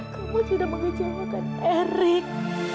kamu sudah mengejarkan erik